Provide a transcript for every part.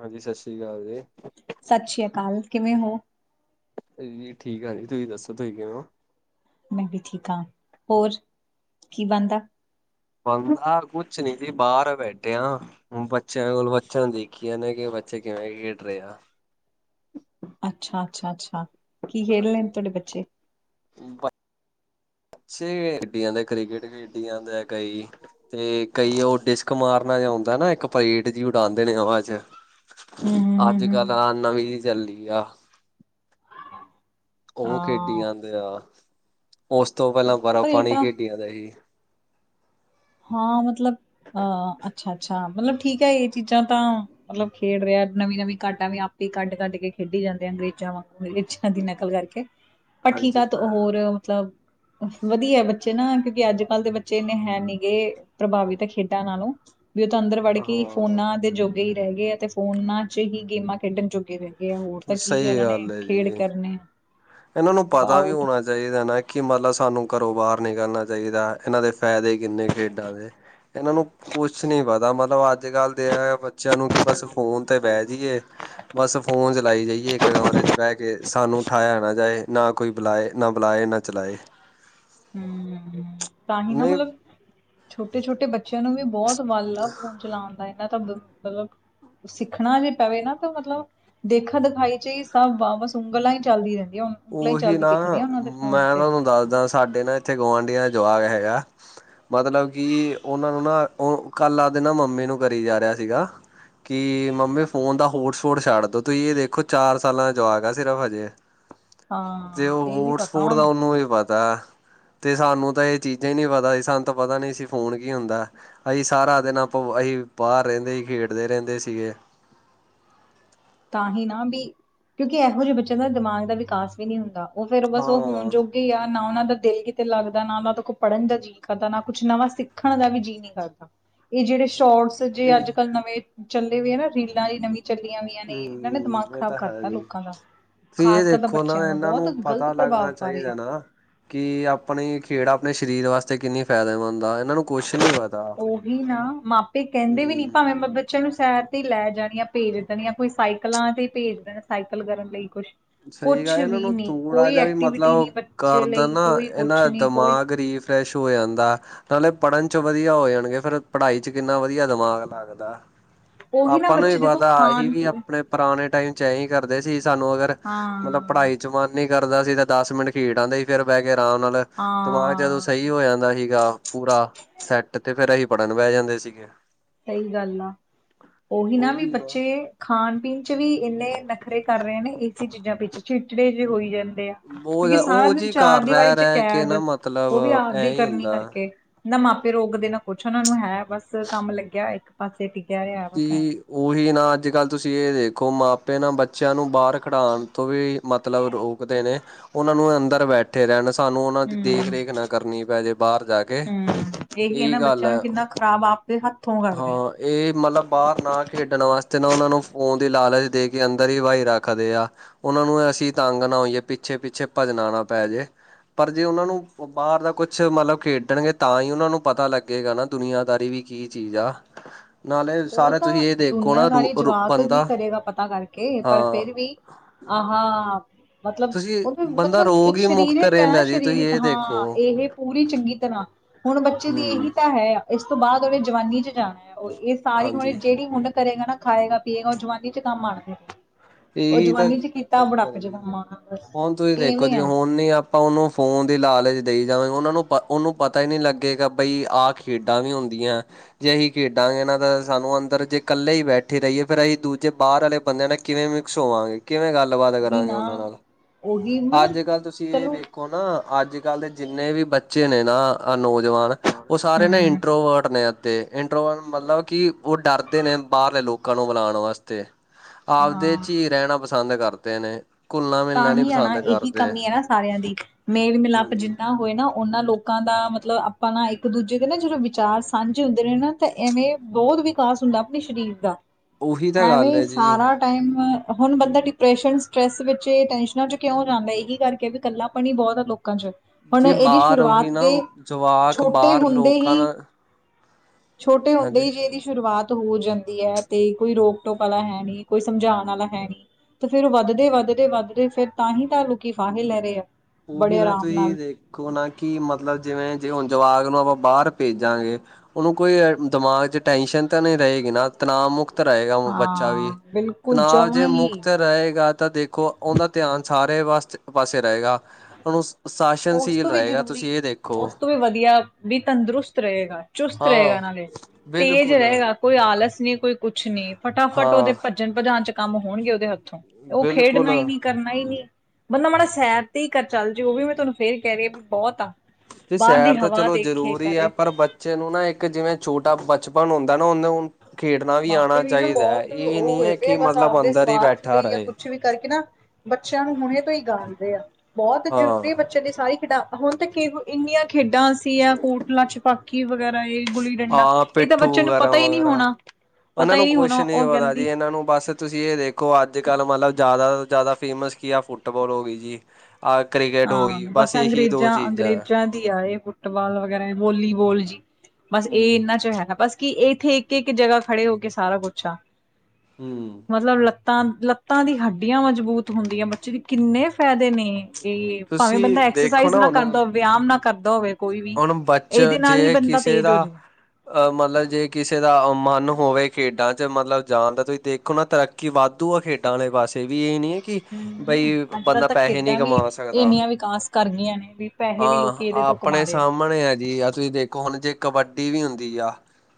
ਹਾਂਜੀ ਸਤਿ ਸ਼੍ਰੀ ਅਕਾਲ ਜੀ। ਸਤਿ ਸ੍ਰੀ ਅਕਾਲ ਕਿਵੇਂ ਹੋ? ਠੀਕ ਆ ਜੀ ਤੁਸੀਂ ਦੱਸੋ ਤੁਸੀਂ ਕਿਵੇਂ ਹੋ? ਮੈਂ ਵੀ ਠੀਕ ਹਾਂ। ਹੋਰ ਕੀ ਬਣਦਾ? ਬੰਦਾ ਕੁਛ ਨੀ ਸੀ, ਬਾਹਰ ਬੈਠੇਿਆ। ਹੁਣ ਬੱਚਿਆਂ ਕੋਲ ਬੱਚਿਆਂ ਨੂੰ ਦੇਖੀਏ ਨਾ ਕਿ ਬੱਚੇ ਕਿਵੇਂ ਖੇਡ ਰਹੇ ਆ। ਅੱਛਾ- ਅੱਛਾ-ਅੱਛਾ ਕੀ ਖੇਡ ਰਹੇ ਨੇ ਤੁਹਾਡੇ ਬੱਚੇ? ਛੇ ਬਟ, ਖੇਡੀ ਜਾਂਦੇ ਕ੍ਰਿਕਟ ਖੇਡੀ ਜਾਂਦਾ ਕਈ ਤੇ ਕਈ ਉਹ ਡਿਸਕ ਮਾਰਨਾ ਜਾ ਆਉਂਦਾ ਨਾ ਇੱਕ ਪਲੇਟ ਜਿਹੀ ਉਡਾਉਂਦੇ ਨੇ ਹਵਾ ਚ' ਹੂੰ, ਹੂੰ, ਹੂੰ, ਅੱਜ ਹੂੰ, ਕੱਲ ਹੂੰ ਆ ਹੂੰ। ਨਵੀਂ ਜਿਹੀ ਚੱਲਦੀ ਆ। ਉਹ ਖੇਡੀ ਹਾਂ ਜਾਂਦੇ ਆ। ਉਸ ਤੋਂ ਪਹਿਲਾਂ ਪਰ ਬਰਫ਼- ਇਹ ਪਾਣੀ ਤਾਂ ਖੇਡੀ ਜਾਂਦਾ ਸੀ। ਹਾਂ ਮਤਲਬ, ਅਹ ਅੱਛਾ, ਅੱਛਾ ਮਤਲਬ ਠੀਕ ਹੈ ਇਹ ਚੀਜ਼ਾਂ ਤਾਂ ਮਤਲਬ ਖੇਡ ਰਿਹਾ ਨਵੀਂ- ਨਵੀਂ ਕਾਡਾ ਵੀ ਆਪ ਹੀ ਕੱਢ- ਕੱਢ ਕੇ ਖੇਡੀ ਜਾਂਦੇ ਆ ਅੰਗਰੇਜ਼ਾਂ ਵਾਂਗ ਐਦੇ ਹਾਜੀ ਨਕਲ ਕਰਕੇ, ਭ ਠੀਕ ਹਾਂਜੀ ਉਹ ਤ ਤਾਂ ਹੈ। ਹੋਰ ਮਤਲਬ ਵਧੀਆ ਬੱਚੇ ਨਾ ਕਿਉਂਕਿ ਅੱਜ ਕੱਲ੍ਹ ਦੇ ਬੱਚੇ ਇੰਨੇ ਹੈ ਨਹੀਂ ਗੇ, ਪ੍ਰਭਾਵਿਤ ਹੈ ਖੇਡਾਂ ਨਾਲੋਂ। ਵੀ ਉਹ ਤਾਂ ਅੰਦਰ ਵੜ ਕੇ ਹੀ ਫੋਨਾਂ ਹਾਂ ਦੇ ਜੋਗੇ ਹੀ ਰਹਿ ਗਏ ਆ ਅਤੇ ਫੋਨਾਂ ਚ' ਹੀ ਗੇਮਾਂ ਖੇਡਣ ਜੋੁਗੇ ਨੇ। ਹੈਗੇ, ਹੋਰ ਤਾਂ ਕੀ ਸਹੀ ਉਹਨਾਂ ਨੇ ਗੱਲ ਹੈ ਖੇਡ ਜੀ। ਕਰਨੇ। ਇਹਨਾਂ ਨੂੰ ਪਤਾ ਵੀ ਆਊਟ ਹੋਣਾ ਚਾਹੀਦਾ ਨਾ ਕਿ ਮਤਲਬ ਸਾਨੂੰ ਘਰੋਂ ਬਾਹਰ ਨਿਕਲਣਾ ਚਾਹੀਦਾ। ਇਹਨਾਂ ਦੇ ਫਾਇਦੇ ਕਿੰਨੇ ਖੇਡਾਂ ਦੇ, ਇਹਨਾਂ ਨੂੰ ਕੁਛ ਨੀ ਪਤਾ ਮਤਲਬ ਅੱਜ ਕੱਲ੍ਹ ਬੱਚਿਆਂ ਨੂੰ ਕਿ ਬਸ ਫੋਨ ਤੇ ਬਹਿ ਜਾਈਏ। ਬਸ ਫੋਨ ਚਲਾਈ ਜਾਈਏ ਇੱਕ ਕਮਰੇ ਚ' ਬਹਿ ਕੇ ਸਾਨੂੰ ਉਠਾਇਆ ਨਾ ਜਾਏ ਨਾ ਕੋਈ ਬੁਲਾਏ ਨਾ ਬੁਲਾਏ ਨਾ ਚਲਾਏ। ਹੂ ਤਾਂ ਹੀ ਨਾ ਨਹੀਂ ਮਤਲਬ, ਛੋਟੇ- ਛੋਟੇ ਬੱਚਿਆਂ ਨੂੰ ਵੀ ਬਹੁਤ ਵੱਲ ਵਲ ਹ ਚਲਾਉਣ ਦਾ ਇਹਨਾਂ ਤਾਂ ਮਤਲਬ, ਸਿੱਖਣਾ ਜੇ ਪਵੇ ਨਾ ਤਾਂ ਮਤਲਬ ਦੇਖਾ- ਦਿਖਾਈ ਚ' ਹੀ ਸਭ ਵ ਬਸ ਉਂਗਲਾਂ ਹੀ ਚੱਲਦੀ ਰਹਿੰਦੀਆਂ ਹੁਣ। ਉਹੀ ਨਾ, ਮੈਂ ਤੁਹਾਨੂੰ ਦੱਸਦਾ ਸਾਡੇ ਨਾ ਇਥੇ ਗੁਆਂਢੀਆਂ ਦਾ ਜਵਾਕ ਹੈਗਾ। ਮਤਲਬ ਕਿ ਉਹਨਾ ਨੂੰ ਨਾ ਉਹ ਕਲ ਆਪਦੇ ਨਾ ਮੰਮੀ ਨੂੰ ਕਰੀ ਜਾ ਰਿਹਾ ਸੀਗਾ। ਕਿ ਮੰਮੀ ਫੋਨ ਦਾ ਹੋਟ ਸ਼ੋਟ ਛੱਡ ਦੋ ਤੁਸੀ ਇਹ ਦੇਖੋ ਚਾਰ ਸਾਲਾ ਜਵਾਕ ਸਿਰਫ ਹਜੇ। ਜੇ ਹਾਂ ਉਹ ਇਹ ਵੀ ਵੋਸ ਪਤਾ ਸ਼ੋਟ ਦਾ ਉਹਨੂੰ ਹੀ ਪਤਾ। ਤੇ ਸਾਨੂੰ ਤਾਂ ਇਹ ਚੀਜਾ ਹੀ ਨਹੀ ਪਤਾ ਸੀ ਸਾਨੂੰ ਤਾਂ ਪਤਾ ਨੀ ਸੀ ਫੋਨ ਕੀ ਹੁੰਦਾ। ਅਸੀ ਸਾਰਾ ਦਿਨ ਆਪਾ ਅਸੀ ਬਾਹਰ ਰਹਿੰਦੇ ਹੀ ਖੇਡਦੇ ਰਹਿੰਦੇ ਸੀਗੇ। ਤਾਂ ਹੀ ਨਾ ਵੀ, ਕਿਉਕਿ ਇਹੋ ਜਿਹੇ ਬੱਚਿਆਂ ਦਾ ਦਿਮਾਗ ਦਾ ਵਿਕਾਸ ਵੀ ਨਹੀਂ ਹੁੰਦਾ ਉਹ ਫੇਰ ਬਸ ਉਹ ਹੁਣ ਹਾਂ ਜੋ- ਆ ਨਾ ਉਹਨਾਂ ਦਾ ਦਿਲ ਕਿਤੇ ਲੱਗਦਾ, ਨਾ ਉਹਨਾਂ ਦਾ ਕੋਈ ਪੜ੍ਹਨ ਦਾ ਜੀ- ਕਰਦਾ ਨਾ ਕੁਛ ਨਵਾ ਸਿੱਖਣ ਦਾ ਵੀ ਜੀਅ ਨੀ ਕਰਦਾ, ਇਹ ਜਿਹੜੇ ਸ਼ੋਰਟਸ- ਜੇ ਇਹ ਅਜ ਕਲ ਨਵੇਂ ਚੱਲੇ ਹੋਏ ਆ ਨਾ, ਰੇਲਾਂ ਦੀ ਨਵੀ ਚੱਲੀਆਂ ਵੀ- ਇਹਨਾਂ ਨੇ, ਦਿਮਾਗ ਖ਼ਰਾਬ ਕਰਤਾ ਲੋਕਾਂ ਦਾ- ਤੁਸੀ ਇਹ ਖ਼ਾਸ ਕਰ ਤਾਂ ਦੇਖੋ ਨਾ, ਬੱਚਿਆਂ ਦਾ ਇਹਨਾਂ ਬਹੁਤ ਨੂੰ ਗ਼ਲਤ ਪਤਾ ਪ੍ਰਭਾਵ ਲੱਗਣਾ ਪਾ ਰਹੇ ਆ ਚਾਹੀਦਾ ਨਾ- ਕਿ ਆਪਣੀ ਖੇਡ ਆਪਣੇ ਸਰੀਰ ਵਾਸਤੇ ਕਿੰਨੀ ਫਾਇਦੇਮੰਦ ਆ ਇਹਨਾਂ ਨੂੰ- ਕੁਛ ਨਹੀਂ ਪਤਾ ਉਹੀ ਨਾ, ਮਾਪੇ ਕਹਿੰਦੇ ਵੀ ਨੀ ਹਮ ਭਾਵੇਂ ਬਾਬੇ- ਬੱਚਿਆਂ ਨੂੰ ਸੈਰ ਤੇ ਲੈ ਜਾਣੀਆਂ, ਭੇਜ ਦੇਣੀਆਂ ਕੋਈ ਸਾਈਕਲਾਂ ਤੇ ਭੇਜ ਦੇਣਾ, ਸਾਈਕਲ ਕਰਨ ਲਈ ਕੁਛ- ਸਹੀ ਕੁਛ ਗ, ਇਹਨਾਂ ਵੀ ਨੂੰ ਨਹੀਂ ਤਥੂੜਾ ਕੋਈ ਜਿਹਾ ਵੀ ਐਕਟੀਵਿਟੀ ਨਹੀਂ ਮਤਲਬ ਬੱਚੇ ਕਰਦ ਲਈ ਨਾ ਕੋਈ ਕੁਛ ਇਹਨਾਂ ਨਹੀਂ ਕੋਈ ਦਿਮਾਗ ਰੀਫ- ਫਰੈਸ਼ ਹੋ ਜਾਦਾ, ਨਾਲੇ ਪੜ੍ਹਨ 'ਚ ਵਧੀਆ ਹੋ ਜਾਣਗੇ ਫਿਰ- ਪੜ੍ਹਾਈ 'ਚ ਕਿੰਨਾ ਵਧੀਆ ਦਿਮਾਗ ਲੱਗਦਾ, ਉਹੀ ਨਾ ਆਪਾਂ ਨੂੰ ਹੀ ਬੱਚੇ ਦੇਖੋ ਪਤਾ ਅਸੀ ਖਾਣ ਵੀ ਪੀਣ ਆਪਣੇ- ਪੁਰਾਣੇ ਟਾਈਮ 'ਚ ਏਹੀ ਕਰਦੇ ਸੀ ਸਾਨੂੰ ਅਗਰ, ਮਤਲਬ ਹਾਂ ਪੜ੍ਹਾਈ- ਜਵਾਨੀ ਕਰਦਾ ਸੀ ਤਾਂ ਦਸ ਮਿੰਟ ਖੇਡ ਆਉਦੇ ਸੀ, ਫਿਰ ਬਹਿ ਕੇ ਆਰਾਮ ਨਾਲ, ਤਮਾਗ ਜਦੋ- ਹਾਂ ਸਹੀ ਹੋ ਜਾਂਦਾ ਸੀਗਾ, ਪੂਰਾ ਸੈਟ, ਤੇ ਫਿਰ ਅਸੀਂ ਪੜ੍ਹਨ ਬਹਿ ਜਾਂਦੇ ਸੀਗੇ। ਸਹੀ ਗੱਲ ਆ, ਉਹੀ ਨਾ ਵੀ ਬੱਚੇ- ਖਾਣ ਪੀਣ 'ਚ ਵੀ ਇੰਨੇ ਨਖਰੇ ਕਰ ਰਹੇ ਨੇ, ਇਸੇ ਚੀਜਾ ਪਿੱਛੇ, ਚਿੜਚਿੜੇ ਜੇ ਹੋਈ ਜਾਣ- ਹੁੰਦੇ, ਬਹੁਤ ਕਿਉਕਿ ਸਾਰਾ ਉਹ ਦਿਨ ਜੀ ਚਾਰ ਘਰ ਦੀਵਾਰੀ ਰਹਿ 'ਚ ਰਹਿ ਕੇ ਕੈਦ, ਨਾ ਮਤਲਬ ਉਹ ਵੀ ਐ ਆਪਦੀ ਹੀ ਕਰਨੀ ਹੁੰਦਾ ਕਰਕੇ- ਨਾ ਮਾਪੇ ਰੋਕਦੇ ਨਾ ਕੁਛ ਉਹਨਾ ਨੂੰ ਹੈ ਬਸ, ਕੰਮ ਲੱਗਿਆ ਇਕ ਪਾਸੇ ਪੀਗਿਆ ਰਿਹਾ ਬਸ ਐ- ਕਿ ਉਹੀ ਨਾ, ਅਜ- ਕਲ ਤੁਸੀ ਇਹ ਦੇਖੋ ਮਾਪੇ ਨਾ ਬੱਚਿਆਂ ਨੂੰ ਬਾਹਰ ਖਿਡਾਉਣ ਤੋਂ ਵੀ- ਮਤਲਬ ਰੋਕਦੇ ਨੇ, ਉਹਨਾਂ ਨੂੰ ਅੰਦਰ ਬੈਠ- ਇਕੱਠੇ ਰਹਿਣ, ਸਾਨੂੰ ਉਹਨਾਂ ਦੀ ਹੂੰ ਦੇਖ ਰੇਖ ਨਾ ਕਰਨੀ ਪੈ ਜੇ ਬਾਹਰ ਜਾ ਕੇ, ਹੂੰ ਇਹੀ ਗੱਲ ਹੈ। ਤੇ ਹੱਥੋਂ ਗ - ਹਾਂ, ਇਹ ਮਤਲਬ- ਬਾਹਰ ਨਾ ਖੇਡਣ ਵਾਸਤੇ ਨਾ ਉਹਨਾ ਨੂੰ ਫ਼ੋਨ ਦੀ ਲਾਲਚ ਦੇ ਕੇ ਅੰਦਰ ਹੀ ਵਹੀ ਰੱਖਦੇ ਆ। ਉਹਨਾਂ ਨੂੰ ਅਸੀ ਤੰਗ ਨਾ ਹੋਈਏ, ਪਿੱਛੇ -ਪਿੱਛੇ ਭੱਜਣਾ ਨਾ ਪੈ ਜੇ ਪਰ ਜੇ ਉਹਨਾ ਨੂੰ ਬਾਹਰ ਦਾ ਕੁਛ ਮਤਲਬ ਖੇਡਣਗੇ ਤਾਂ ਹੀ ਉਹਨਾ ਨੂੰ ਪਤਾ ਲੱਗੇਗਾ ਨਾ। ਦੁਨੀਆਂਦਾਰੀ ਵੀ ਕੀ ਚੀਜ ਆ, ਨਾਲੇ- ਉਹ ਸਾਰਾ ਤਾਂ ਤੁਸੀਂ ਇਹ ਦੇਖੋ ਨਾ ਰੂ ਦੁਨੀਆਂਦਾਰੀ ਰੂ ਜਵਾਕ ਹੀ ਬੰਦਾ ਕਰੇਗਾ ਪਤਾ ਕਰਕੇ, ਪਰ ਹਾਂ ਫਿਰ ਵੀ- ਆਹ - ਮਤਲਬ, ਤੁਸੀਂ ਉਹਦੇ ਬੰਦਾ ਮਤਲਬ ਰੋਗ ਇਕ ਹੀ ਮੁਕਤ ਸਰੀਰਕ ਹੈ ਨਾ ਰਹਿੰਦਾ ਜੀ ਤੁਸੀਂ ਸਰੀਰਕ ਇਹ ਹਾਂ ਦੇਖੋ। ਇਹ- ਪੂਰੀ ਚੰਗੀ ਤਰ੍ਹਾਂ, ਹੁਣ ਬੱਚੇ ਦੀ ਇਹੀ ਹੂੰ ਤਾਂ ਹੈ। ਇਸ ਤੋਂ ਬਾਅਦ ਉਹਨੇ ਜਵਾਨੀ 'ਚ ਜਾਣਾ ਹੈ। ਉਹ ਇਸ- ਸਾਰੀ ਹੁਣ ਹਾਂਜੀ ਜਿਹੜੀ ਹੁਣ ਕਰੇਗਾ ਨਾ ਖਾਏਗਾ ਪੀਏਗਾ ਉਹ ਜਵਾਨੀ 'ਚ ਕੰਮ ਆਣ ਗਏ- ਇਹੀ ਤਾਂ, ਚੱਕਰ ਜੀ ਆਉਣਾ ਬਸ ਹੁਣ ਤੁਸੀ ਦੇਖੋ ਇਵੇਂ ਜੀ ਆ ਹੁਣ ਨੀ ਆਪ- ਆਪਾਂ ਉਹਨੂੰ ਫੋਨ ਦੀ ਲਾਲਚ ਦੇਈ ਜਾਵਾਂਗੇ, ਉਹਨਾ ਨੂੰ ਪ, ਉਹਨੂੰ ਪਤਾ ਹੀ ਨਹੀ ਲੱਗੇਗਾ ਬਈ ਆਖ- ਖੇਡਾਂ ਵੀ ਹੁੰਦੀਆਂ। ਜੇ ਅਸੀ ਖੇਡਾਂਗੇ ਨਾ ਤਾਂ ਸਾਨੂੰ ਅੰਦਰ ਜੇ ਇਕਲੇ ਹੀ ਬੈਠੀ ਰਹੀਏ ਫ਼ਿਰ ਅਸੀ ਦੂਜੇ ਬਾਹਰ ਵਾਲੇ ਬੰਦਿਆਂ ਨੇ- ਕਿਵੇ ਮਿਕਸ ਹੋਵਾਂਗੇ, ਕਿਵੇ ਗੱਲਬਾਤ ਉਹੀ ਕਰਾਂਗੇ ਨਾ ਉਹਨਾਂ ਨਾਲ, ਉਹੀ ਮਤਲਬ ਅਜ ਕਲ ਤੁਸੀ ਇਹ ਚਲੋ ਵੇਖੋ ਓ ਨਾ, ਅਜ ਕਲ ਦੇ ਜਿਨੇ ਵੀ ਬੱਚੇ ਨੇ ਨਾ, ਆ ਨੌਜੁਵਾਨ- ਉਹ ਸਾਰੇ ਨੇ ਹਮ ਇੰਟਰੋਵਰਟ ਨੇ- ਤੇ ਇੰਟਰੋ ਮਤਲਬ ਕਿ ਉਹ ਡਰਦੇ ਨੇ ਬਾਹਰਲੇ ਲੋਕਾਂ ਨੂੰ ਬੁਲਾਉਣ ਵਾਸਤੇ- ਆਪਦੇ ਹਾਂ ਵਿਚ ਹੀ ਰਹਿਣਾ ਪਸੰਦ ਕਰਦੇ ਨੇ- ਘੁਲਣਾ ਤਾਂ ਮਿਲਣਾ ਨਹੀਂ ਹੀ ਹੈ ਨਾ ਪਸੰਦ ਇਹੀ ਕਰਦੇ ਕਮੀ ਹੈ ਨਾ ਸਾਰਿਆਂ ਦੀ, ਮੇਲ ਮਿਲਾਪ ਹਾਂਜੀ ਜਿਨਾ- ਹੋਏ ਨਾ ਉਹਨਾਂ ਲੋਕਾ ਦਾ ਮਤਲਬ ਆਪਾ ਨਾ ਇਕ ਦੂਜੇ ਦੇ ਨਾ ਜਿਹੜੇ ਵਿਚਾਰ ਸਾਂਝੇ ਹੁੰਦੇ ਨੇ ਨਾ- ਤਾਂ ਐਵੇਂ ਬਹੁਤ ਵਿਕਾਸ ਹੁੰਦਾ ਆਪਣੇ ਸਰੀਰ ਦਾ, ਉਹੀ ਤਾਂ ਗੱਲ ਐਵੇਂ ਹੈ ਜੀ ਸਾਰਾ ਟਾਈਮ, ਹੁਣ ਬੰਦਾ ਡਿਪਰੈਸ਼ਨ ਸਟਰ੍ਰੈਸ ਵਿੱਚ ਬੇ ਟੈਸ਼ਨਾਂ 'ਚ ਕਿਉਂ ਜਾਂਦਾ ਇਹੀ ਕਰਕੇ ਵੀ ਗੱਲਾਂ ਪਾਣੀ ਬਹੁਤ ਆ ਲੋਕਾਂ ਚ। ਹੁਣ ਜੇ ਇਹਦੀ ਬਾਹਰ ਉਹੀ ਸ਼ੁਰੂਆਤ ਨਾ ਤੇ ਜਵਾਕ ਛੋਟੇ ਬਾਹਰ ਹੁੰਦੇ ਲੋਕਾਂ ਹੀ ਨਾਲ ਛੋਟੇ ਹੁੰਦੇ ਹਾਂਜੀ ਹੀ ਜੇ ਇਹਦੀ ਸ਼ੁਰੂਆਤ ਹੋ ਜਾਂਦੀ ਏ ਤੇ ਕੋਈ ਰੋਕ ਟੋਕ ਵਾਲਾ ਏ ਨੀ ਕੋਈ ਸਮਝਾਉਣ ਵਾਲਾ ਹੈ ਨੀ। ਤੇ ਫਿਰ ਉਹ ਵਧਦੇ-ਵਧਦੇ-ਵਧਦੇ ਫਿਰ ਤਾਂ ਹੀ ਤਾਂ ਲੋਕੀ ਫਾਹੇ ਲੈ ਰਹੇ ਆ। ਉਹੀ ਬੜੇ ਨਾ ਆਰਾਮ ਤੁਸੀਂ ਨਾਲ ਦੇਖੋ ਨਾ ਕਿ ਮਤਲਬ ਜਿਵੇਂ ਜੇ ਹੁਣ ਜਵਾਕ ਨੂੰ ਆਪਾਂ ਬਾਰ ਪੇਜਾਂਗੇ। ਉਹਨੂੰ ਕੋਈ ਦਿਮਾਗ ਚ ਟੈਨਸ਼ਨ ਤਾਂ ਨਈ ਰਹੇਗੀ ਨਾ ਤਨਾਵਮੁਕਤ ਮੁਕਤ ਰਹੇਗਾ ਬੱਚਾ ਵੀ ਹਾਂ ਬਿਲਕੁਲ ਤਣਾਵ ਜੇ ਜਮਾਂ ਹੀ ਮੁਕਤ ਰਹੇਗਾ। ਤਾਂ ਦੇਖੋ ਉਹਦਾ ਧਿਆਨ ਸਾਰੇ ਵਸ ਪਾਸੇ ਰਹੇਗਾ। ਹੁਣ ਉਸ ਉਸ ਤੋਂ ਵੀ ਜ਼ਰੂਰੀ ਉਸ ਤੋਂ ਵੀ ਵਧੀਆ ਬੀ ਤੰਦਰੁਸਤ ਰਹੇਗਾ। ਚੁਸਤ ਰਹੇਗਾ ਹਾਂ ਨਾਲੇ ਤੇਜ਼ ਬਿਲਕੁਲ ਰਹੇਗਾ। ਕੋਈ ਆਲਸ ਨੀ ਕੋਈ ਕੁਛ ਨੀ ਫਟਾਫਟ ਉਦੇ ਹਾਂ ਭੱਜਣ ਭਜਾਣ ਚ ਕੰਮ ਹੋਣਗੇ ਉਦੇ ਹੱਥੋਂ। ਉਹ ਖੇਡਣਾ ਹੀ ਬਿਲਕੁਲ ਨੀ, ਕਰਨਾ ਹੀ ਨੀ ਬੰਦਾ ਮਾੜਾ ਸੈਰ ਤੇ ਹੀ ਕਰ ਚੱਲ ਜੇ ਉਹ ਵੀ ਮੈਂ ਤੁਹਾਨੂੰ ਫੇਰ ਕੇਹ ਰਹੀਏ ਵੀ ਬਹੁਤ ਆ। ਤੇ ਬਾਹਰ ਦੀ ਸੈਰ ਤਾਂ ਹਵਾ ਚਲੋ ਦੇਖੇ ਜ਼ਰੂਰੀ ਆ ਕਰੇ ਪਰ ਬ ਬੱਚੇ ਨੂੰ ਨਾ ਏਕ ਜਿਵੇਂ ਛੋਟਾ ਬਚਪਨ ਹੁੰਦਾ ਨਾ ਓਨੂੰ ਮਾਪੇ ਵੀ ਨਾ ਬੋਤ ਉਹ ਨਹੀਂ ਹੋਏ ਹੈ ਪਏ ਕਿ ਬਸ ਮਤਲਬ ਆਪਦੇ ਅੰਦਰ ਹੀ ਸਵਾਰਥ ਬੈਠਾ ਲਈ ਜਾਂ ਰਹੇ ਕੁਛ ਵੀ ਕਰਕੇ ਨਾ ਬੱਚਿਆਂ ਨੂੰ ਹੁਣੇ ਤੋਂ ਹੀ ਗਾਲਦੇ ਆ ਬੋਤ ਹਾਂ ਜ਼ਰੂਰੀ ਬੱਚੇ ਦੀ ਸਾਰੀ ਖਿਡਾ ਹੁਣ ਤਾਂ ਇੰਨੀਆਂ ਖੇਡਾਂ ਸੀਆਂ ਕੋਟਲਾ ਛਪਾਕੀ ਵਗੈਰਾ ਇਹ ਗੁੱਲੀ ਡੰਡਾ ਹਾਂ ਇਹ ਤਾਂ ਪਿੱਠੂ ਬੱਚੇ ਨੂੰ ਵਗੈਰਾ ਪਤਾ ਹੀ ਨੀ ਵਗੈਰਾ ਹੋਣਾ ਪਤਾ ਹੀ ਨੀ ਹੋਣਾ ਉਹ ਕੇਨਦੀ ਇਨਾ ਨੂੰ ਬੱਸ ਤੁਸੀਂ ਇਹ ਦੇਖੋ ਅੱਜ-ਕੱਲ ਮਤਲਬ ਜ਼ਿਆਦਾ ਤੋਂ ਜ਼ਿਆਦਾ ਫੇਮਸ ਕੀ ਆ ਫੁੱਟਬਾਲ ਹੋ ਗਈ ਜੀ। ਆਹ ਕ੍ਰਿਕਟ ਹੋ ਹਾਂ ਗਈ ਬਸ ਏਹੀ ਦੋ ਅੰਗਰੇਜ਼ਾਂ ਚੀਜ਼ਾਂ। ਅੰਗਰੇਜ਼ਾਂ ਆ ਇਹ ਫੁੱਟਬਾਲ ਵਗੈਰਾ ਵੋਲੀਬੋਲ ਜੀ ਬਸ ਇਹ ਹਮ ਇਹਨਾਂ ਚ ਹੈਗਾ ਬਸ। ਕਿ ਇੱਥੇ ਏਕ ਏਕ ਜਗ੍ਹਾ ਖੜੇ ਹੋ ਕੇ ਸਾਰਾ ਕੁੱਛ ਆ। ਹਮ। ਮਤਲਬ ਲੱਤਾਂ ਲੱਤਾਂ ਦੀ ਹੱਡੀਆਂ ਮਜ਼ਬੂਤ ਹੁੰਦੀਆਂ ਬੱਚੇ ਦੀ ਕਿੰਨੇ ਫੈਦੇ ਨੇ। ਇਹ ਭਾਵੇਂ ਤੁਸੀਂ ਬੰਦਾ ਦੇਖੋ ਐਕਸਰਸਾਈਜ਼ ਨਾ ਹੁਣ ਕਰਦਾ ਹੋਵੇ, ਵਿਆਮ ਨਾ ਕਰਦਾ ਹੋਵੇ। ਕੋਈ ਵੀ ਹੁਣ ਇਹਦੇ ਨਾਲ ਹੀ ਬੰਦਾ ਤੇਜ਼ ਹੋ ਜਾੳ। ਅਹ ਮਤਲਬ ਜੇ ਕਿਸੇ ਦਾ ਮਨ ਹੋਵੇ ਖੇਡਾਂ ਚ ਮਤਲਬ ਜਾਣ ਦਾ ਤੁਸੀਂ ਦੇਖੋ ਨਾ ਤਰੱਕੀ ਕਿ ਵਾਧੂ ਆ ਖੇਡਾਂ ਵਾਲੇ ਪਾਸੇ ਵੀ ਇਹ ਨਈ ਐ ਕਿ ਹਮ ਬਈ ਅੱਜ-ਕੱਲ੍ਹ ਬੰਦਾ ਤਾਂ ਪੈਸੇ ਨਹੀਂ ਖੇਡਾਂ ਵੀ ਕਮਾ ਸਕਦਾ ਇੰਨੀਆਂ ਵਿਕਾਸ ਕਰੀਆਂ ਨੇ ਵੀ ਪੈਸੇ ਵੀ ਲੋਕੀ ਇਹਦੇ ਤੋਂ ਕੁਮਾਰ ਰਹੇ ਆ। ਮਣੇ ਆ ਜੀ ਆ ਤੁਸੀਂ ਦੇਖੋ ਹੁਣ ਜੇ ਕਬੱਡੀ ਵੀ ਹੁੰਦੀ ਆ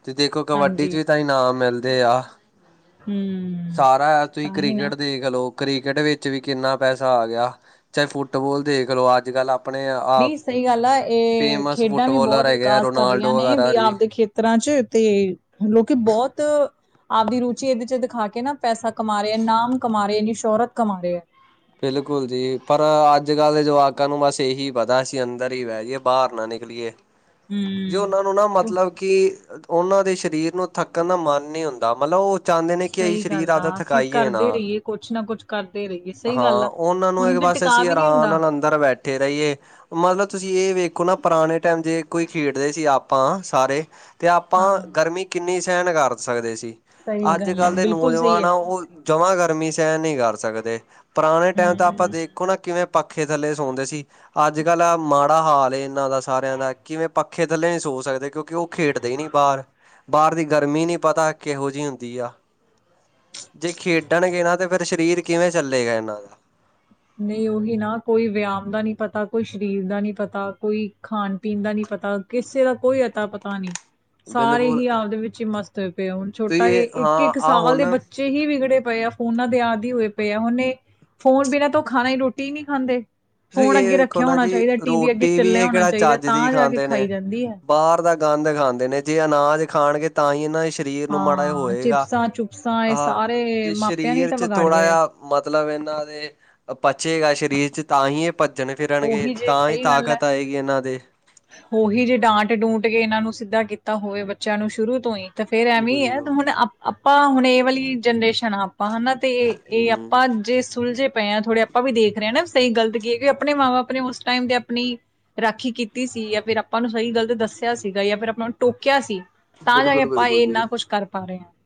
ਤੁਸੀਂ ਦੇਖੋ ਕਬੱਡੀ ਚ ਹਾਂਜੀ ਵੀ ਤਾਂ ਨਾਮ ਮਿਲਦੇ ਆ ਹਮ ਸਾਰਾ ਤੁਸੀਂ ਤਾਂ ਹੀ ਨਾ ਕ੍ਰਿਕਟ ਦੇਖ ਲੋ ਕ੍ਰਿਕਟ ਵਿੱਚ ਵੀ ਕਿੰਨਾ ਪੈਸਾ ਆ ਗਿਆ, ਚਾਹੇ ਫੁੱਟਬੋਾਲ ਦੇਖ ਲੋ ਅੱਜ ਕੱਲ ਆਪਣੇ ਆਪ ਨਹੀਂ ਸਹੀ ਗੱਲ ਆ ਇਹ ਖੇਡਾਂ ਵੀ ਬੋਤ ਹੈਗੇ ਆ ਵਿਕਾਸ ਕਰ ਰਹੀਆਂ ਰੋਨਾਲਡੋ ਨੇ ਵਗੈਰਾ ਵੀ ਜੀ। ਆਪਦੇ ਖੇ ਤਰ੍ਹਾਂ ਚ ਤੇ ਲੋਕੀ ਬੋਤ ਆਪਦੀ ਰੁਚੀ ਇਹਦੇ ਚ ਦਿਖਾ ਕੇ ਨਾ ਪੈਸਾ ਕਮਾ ਰਹੇ ਏ, ਨਾਮ ਕਮਾ ਰਹੇ ਏ ਸ਼ੋਹਰਤ ਕਮਾ ਰਹੇ ਐ। ਬਿਲਕੁਲ ਜੀ ਪਰ ਅੱਜ-ਕੱਲ੍ਹ ਦੇ ਜਵਾਕਾਂ ਨੂੰ ਬਸ ਇਹੀ ਪਤਾ ਅਸੀਂ ਅੰਦਰ ਹੀ ਬਹਿ ਜਾਈਏ ਬਾਹਰ ਨਾ ਨਿਕਲੀਏ। ਜੇ ਹੂੰ ਉਹਨਾਂ ਨੂੰ ਨਾ ਕੋ ਮਤਲਬ ਕਿ ਉਨਾਂ ਦੇ ਸਰੀਰ ਨੂੰ ਥੱਕਣ ਦਾ ਮਨ ਨੀ ਹੁੰਦਾ ਮਤਲਬ ਉਹ ਚਾਹੁੰਦੇ ਨੇ ਕਿ ਅਸੀਂ ਸਹੀ ਗੱਲ ਸਰੀਰ ਆਦ ਆ ਅਸੀਂ ਥਕਾਈਏ ਨਾ ਕਰਦੇ ਰਹੀਏ ਕੁਛ ਨਾ ਕੁੱਛ ਕਰਦੇ ਰਹੀਏ। ਸਹੀ ਗੱਲ ਹਾਂ ਆ। ਉਹਨਾਂ ਨੂੰ ਉਹਨੂੰ ਇੱਕ ਤੇ ਬਸ ਟਿਕਾ ਅਸੀਂ ਵੀ ਨਹੀਂ ਆਰਾਮ ਹੁੰਦਾ ਨਾਲ ਅੰਦਰ ਬੈਠੇ ਰਹੀਏ। ਮਤਲਬ ਤੁਸੀਂ ਇਹ ਵੇਖੋ ਨਾ ਪੁਰਾਣੇ ਟਾਈਮ ਜੇ ਕੋਈ ਖੇਡਦੇ ਸੀ ਆਪਾਂ ਸਾਰੇ ਅਤੇ ਆਪਾਂ ਹਾਂ ਗਰਮੀ ਕਿੰਨੀ ਸਹਿਣ ਕਰ ਸਕਦੇ ਸੀ। ਸਹੀ ਅੱਜ ਗੱਲ ਆ ਕੱਲ੍ਹ ਦੇ ਬਿਲਕੁਲ ਸਹੀ ਨੌਜਵਾਨ ਆ ਉਹ ਜਮਾਂ ਗਰਮੀ ਸਹਿ ਨਹੀਂ ਕਰ ਸਕਦੇ। ਪੁਰਾਣੇ ਟਾਈਮ ਤਾਂ ਆਪਾਂ ਹੂੰ ਦੇਖੋ ਨਾ ਕਿਵੇਂ ਪੱਖੇ ਥੱਲੇ ਸੌਂਦੇ ਸੀ। ਅੱਜ ਕੱਲ੍ਹ ਮਾੜਾ ਹਾਲ ਏ, ਇਹਨਾਂ ਦਾ ਸਾਰਿਆਂ ਦਾ ਕਿਵੇਂ। ਪੱਖੇ ਥੱਲੇ ਨਹੀਂ ਸੋ ਸਕਦੇ ਕਿਉਂਕਿ ਕਿਉ ਉਹ ਖੇਡਦੇ ਹੀ ਨੀ ਬਾਹਰ। ਬਾਹਰ ਦੀ ਗਰਮੀ ਨੀ ਪਤਾ ਕਿਹੋ ਜਿਹੀ ਹੁੰਦੀ ਆ? ਜੇ ਖੇਡਣਗੇ ਨਾ। ਤੇ ਫਿਰ ਸਰੀਰ ਕਿਵੇਂ ਚੱਲੇਗਾ। ਇਹਨਾਂ ਦਾ ਨਹੀਂ ਉਹੀ ਨਾ ਕੋਈ ਵਿਆਮ ਦਾ ਨਹੀ ਉਹੀ ਨਾ ਕੋਈ ਵਰਿਆਮ ਦਾ ਨਹੀ ਪਤਾ, ਕੋਈ ਸਰੀਰ ਦਾ ਨਹੀ ਪਤਾ, ਕੋਈ ਖਾਣ ਪੀਣ ਦਾ ਨਹੀ ਪਤਾ। ਕਿਸੇ ਦਾ ਕੋਈ ਅਤਾ ਪਤਾ ਨਹੀ? ਸਾਰੇ ਬਿਲਕੁਲ ਹੀ ਆਪਦੇ ਵਿੱਚ ਹੀ ਮਸਤ ਹੋਏ ਪਏ। ਹੁਣ ਤੁਸੀਂ ਛੋਟਾ ਇਹ ਹਾਂ ਇੱਕ-ਇੱਕ ਆਹ ਸਾਲ ਦੇ ਹੁਣ ਬੱਚੇ ਬੱਚੇ ਹੀ ਵਿਗੜੇ ਪਏ ਆ। ਫੋਨਾਂ ਦੇ ਆਦੀ ਹੀ ਹੋਏ ਪਏ ਆ। ਹੁਣ ਇਹ ਫੋਨ ਬਿਨਾਂ ਤੋਂ ਖਾਣੇ ਰੋਟੀ ਹੀ ਨਹੀ ਖਾਂਦੇ ਤੁਸੀਂ ਫ਼ੋਨ ਇਹ ਅੱਗੇ ਵੇਖੋ ਰੱਖਿਆ ਨਾ ਹੋਣਾ ਜੀ ਚਾਹੀਦਾ। ਟੀ ਵੀ ਅੱਗੇ ਰੋਟੀ ਚੱਲਿਆ ਇਹ ਹੋਣਾ ਕਿਹੜਾ ਚਾਹੀਦਾ। ਚੱਜ ਦੀ ਤਾਂ ਜਾ ਕੇ ਖਾਂਦੇ ਖਾਈ ਨੇ ਜਾਂਦੀ ਹੈ। ਬਾਹਰ ਦਾ ਗੰਦ ਖਾਂਦੇ ਨੇ। ਜੇ ਅਨਾਜ ਖਾਣਗੇ। ਤਾਂ ਹੀ ਇਹਨਾਂ ਸਰੀਰ ਨੂੰ ਮਾੜਾ ਹਾਂ ਹੋਏਗਾ। ਚਿਪਸਾਂ ਚੁਪਸਾਂ ਇਹ ਸਾਰੇ ਜੇ ਮਾਪਿਆਂ ਨੇ ਸਰੀਰ ਤਾਂ 'ਚ ਥੋੜ੍ਹਾ ਵਿਗਾੜਿਆ ਹੈ। ਜਿਹਾ ਮਤਲਬ ਇਹਨਾਂ ਦੇ ਪਚੇਗਾ ਸਰੀਰ 'ਚ ਤਾਂ ਹੀ ਭੱਜਣ ਫਿਰਨਗੇ ਉਹੀ ਜੇ ਤਾਂ ਹੀ ਸਹੀ ਗੱਲ ਹੈ ਤਾਕਤ ਆਏਗੀ। ਇਹਨਾਂ ਦੇ ਉਹੀ ਜੇ ਡਾਂਟ ਡੂੰਟ ਕੇ ਇਹਨਾਂ ਨੂੰ ਸਿੱਧਾ ਕੀਤਾ ਹੋਵੇ। ਬੱਚਿਆਂ ਨੂੰ ਸ਼ੁਰੂ ਤੋਂ ਹੀ ਤੇ ਫੇਰ ਐਵੇਂ ਆ, ਬਿਲਕੁਲ ਹੁਣ ਆਪਾਂ ਹੁਣ ਇਹ ਵਾਲੀ ਜਨਰੇਸ਼ਨ ਆਪਾਂ ਹਨਾ ਤੇ ਇਹ ਹਮ ਆਪਾਂ ਜੇ ਸੁਲਝੇ ਪਏ ਹਾਂ। ਥੋੜੇ ਆਪਾਂ ਵੀ ਦੇਖ ਰਹੇ ਹਾਂ। ਨਾ ਸਹੀ ਗਲਤ ਕੀ ਹੈ। ਕਿ ਆਪਣੇ ਮਾਂ ਬਾਪ ਨੇ ਉਸ ਟਾਈਮ ਦੇ ਆਪਣੀ ਰਾਖੀ ਕੀਤੀ ਸੀ। ਜਾਂ ਫਿਰ ਆਪਾਂ ਨੂੰ ਸਹੀ ਗੱਲਤ ਦੱਸਿਆ ਸੀਗਾ। ਜਾਂ ਫਿਰ ਆਪਾਂ ਨੂੰ ਟੋਕਿਆ ਸੀ। ਤਾਂ ਜਾ ਕੇ ਬਿਲਕੁਲ ਆਪਾਂ ਬਿਲਕੁਲ ਜੀ ਇੰਨਾ ਕੁੱਛ ਕਰ ਪਾ ਰਹੇ ਹਾਂ।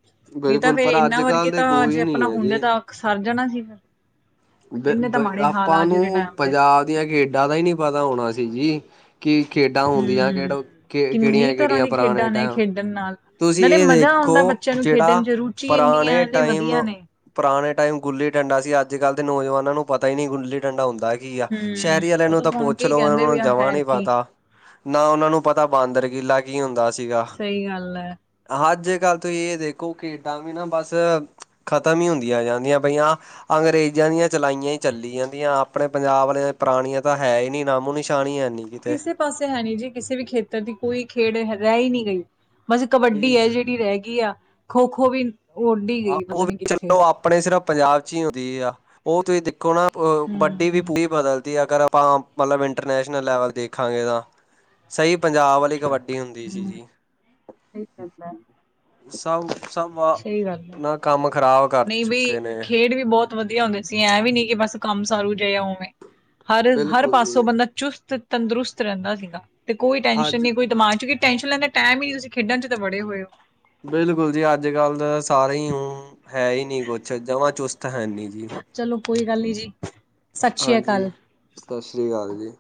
ਨਹੀਂ ਤਾਂ ਬਿਲਕੁਲ ਫੇਰ ਪਰ ਅੱਜ ਇਹਨਾਂ ਵਰਗੇ ਕੱਲ੍ਹ ਦੇ ਤਾਂ ਜੇ ਕੋਈ ਆਪਣਾ ਨਹੀਂ ਹੈ ਹੁੰਦੇ ਜੀ ਤਾਂ ਸਰ ਜਾਣਾ ਸੀ। ਫਿਰ ਇੰਨੇ ਬ ਤਾਂ ਮਾੜੇ ਹਾਲ ਆਪਾਂ ਆ ਅੱਜ ਦੇ ਨੂੰ ਟਾਈਮ ਦੇ ਪੰਜਾਬ ਦੀਆਂ ਖੇਡਾਂ ਦਾ ਹੀ ਨੀ ਪਤਾ ਹੋਣਾ ਸੀ। ਜੀ ਕੀ ਖੇਡਾਂ ਹੁੰਦੀਆਂ। ਹੂੰ, ਕਿਹਡੋ ਕਿ ਕਿੰਨੀ ਤਰ੍ਹਾਂ ਕਿਹੜੀਆ-ਕਿਹੜੀਆਂ ਦੀ ਪੁਰਾਣੇ ਖੇਡਾਂ ਨੇ ਟਾਈਮ ਖੇਡਣ ਨਾਲ ਤੁਸੀਂ ਨਾਲੇ ਇਹ ਮਜ਼ਾ ਦੇਖੋ। ਆਉਂਦਾ ਬੱਚਿਆਂ ਨੂੰ ਜਿਹੜਾ ਖੇਡਣ ਚ ਰੁਚੀ ਪੁਰਾਣੇ ਇੰਨੀਆਂ ਨੇ ਟਾਈਮ ਵਧੀਆ ਨੇ। ਪੁਰਾਣੇ ਟਾਈਮ ਗੁੱਲੀ ਡੰਡਾ ਸੀ। ਅੱਜ ਕੱਲ ਦੇ ਨੌਜਵਾਨਾਂ ਨੂੰ ਪਤਾ ਹੀ ਨੀ ਗੁੱਲੀ ਡੰਡਾ ਹੁੰਦਾ ਹੈ। ਕੀ ਆ ਹੂੰ, ਸ਼ਹਿਰੀ ਵਾਲਿਆਂ ਉਹ ਨੂੰ ਤਾਂ ਸੁਣ ਪੁੱਛ ਕੇ ਹੀ ਲੋਓ। ਉਹਨਾਂ ਕਹਿੰਦੇ ਵੀ ਨੂੰ ਆ ਜਮਾਂ ਹੈ ਨੀ ਕੀ। ਪਤਾ। ਨਾ ਉਹਨਾਂ ਨੂੰ ਪਤਾ ਬਾਂਦਰ ਕਿਲਾ ਕੀ ਹੁੰਦਾ ਸੀਗਾ। ਸਹੀ ਗੱਲ ਹੈ। ਅੱਜ ਕੱਲ ਤੁਸੀਂ ਇਹ ਦੇਖੋ ਖੇਡਾਂ ਵੀ ਨਾ ਬੱਸ, ਖਤਮ ਹੀ ਹੁੰਦੀਆਂ ਜਾਂਦੀਆਂ ਬਈਆਂ ਅੰਗਰੇਜ਼ਾਂ ਦੀਆਂ ਚਲਾਈਆਂ ਹੀ ਚੱਲੀ ਜਾਂਦੀਆਂ। ਆਪਣੇ ਪੰਜਾਬ ਵਾਲਿਆਂ ਪੁਰਾਣੀਆਂ ਤਾਂ ਹੈ ਹੀ ਨਹੀ ਨਾਮੋ ਨਿਸ਼ਾਨ ਈ ਹੈ ਨੀ ਕਿਤੇ ਕਿਸੇ ਪਾਸੇ ਹੈ ਨੀ ਜੀ ਕਿਸੇ ਵੀ ਖੇਤਰ ਦੀ ਕੋਈ ਖੇਡ ਰਹਿ ਹੀ ਨਹੀ ਗਈ। ਬੱਸ ਕਬੱਡੀ ਹੈ। ਜਿਹੜੀ ਰਹਿ ਗਈ ਆ। ਖੋ-ਖੋ ਵੀ ਉੱਡ ਈ ਆਹੋ ਗਈ ਪਤਾ ਉਹ ਵੀ ਨੀ ਕਿੱਥੇ। ਚਲੋ ਆਪਣੇ ਸਿਰਫ ਪੰਜਾਬ ਚ ਹੀ ਹੁੰਦੀ ਆ। ਉਹ ਤੁਸੀਂ ਦੇਖੋ ਨਾ। ਕਬੱਡੀ ਵੀ ਹੂੰ। ਪੂਰੀ ਬਦਲਦੀ। ਅਗਰ ਆਪਾਂ ਮਤਲਬ ਇੰਟਰਨੈਸ਼ਨਲ ਲੈਵਲ ਦੇਖਾਂਗੇ ਤਾਂ ਸਹੀ ਪੰਜਾਬ ਵਾਲੀ ਕਬੱਡੀ ਹੁੰਦੀ ਸੀ। ਜੀ ਠੀਕ ਸਭ-ਸਭ ਐ। ਨਾ ਕੰਮ ਖਰਾਬ ਨਹੀਂ ਬਈ ਖੇਡ ਵੀ ਬਹੁਤ ਵਧੀਆ ਹੁੰਦੇ ਸੀ। ਐਂ ਵੀ ਨੀ ਕਿ ਬੱਸ ਕੰਮ ਸਾਰੂ ਜਿਹਾ ਹੋਵੇਂ। ਹਰ-ਹਰ ਬਿਲਕੁਲ ਜੀ ਪਾਸੋਂ ਬੰਦਾ ਚੁਸਤ ਤੰਦਰੁਸਤ ਰਹਿੰਦਾ ਸੀਗਾ ਤੇ ਕੋਈ ਟੈਨਸ਼ਨ ਅੱਜ ਨੀ, ਕੋਈ ਦਿਮਾਗ 'ਚ ਕਿ ਟੈਨਸ਼ਨ ਲੈਣ ਦਾ ਟਾਈਮ ਈ ਨਈ ਤੁਸੀ ਖੇਡਣ 'ਚ ਤਾਂ ਵੜੇ ਹੋਏ ਓ। ਬਿਲਕੁਲ ਜੀ, ਅੱਜ-ਕੱਲ ਸਾਰੇ ਈ [unintelligible] ਹੈ ਈ ਨੀ ਕੁਛ, ਜਮਾਂ ਚੁਸਤ ਹੈ ਨੀ ਜੀ। ਚਲੋ ਕੋਈ ਗੱਲ ਨੀ ਜੀ, ਸਤਿ ਸ੍ਰੀ ਹਾਂਜੀ ਅਕਾਲ। ਸਤਿ ਸ਼੍ਰੀ ਅਕਾਲ ਜੀ।